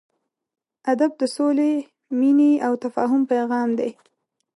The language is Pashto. ادب د سولې، مینې او تفاهم پیغام دی.